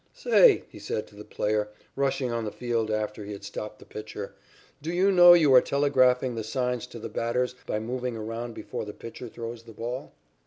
"Say," he said to the player, rushing on the field after he had stopped the pitcher, "do you know you are telegraphing the signs to the batters by moving around before the pitcher throws the ball?"